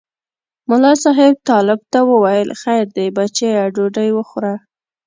ملا صاحب طالب ته وویل خیر دی بچیه ډوډۍ وخوره.